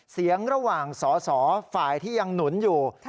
เสียงระหว่างสอสอฝ่ายที่ยังหนุนอยู่